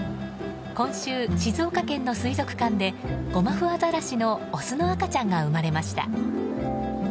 今週、静岡県の水族館でゴマフアザラシのオスの赤ちゃんが生まれました。